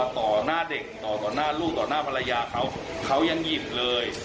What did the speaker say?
ต่อหน้าเด็กต่อต่อหน้าลูกต่อหน้าภรรยาเขาเขายังหยิบเลย